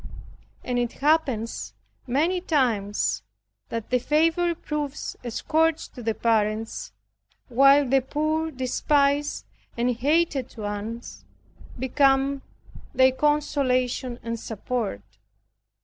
And it happens many times, that the favorite proves a scourge to the parents while the poor despised and hated one becomes their consolation and support.